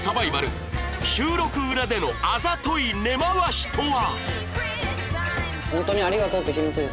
収録裏でのあざとい根回しとは？